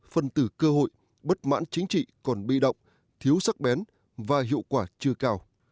phân tử cơ hội bất mãn chính trị còn bi động thiếu sắc bén và hiệu quả chưa cao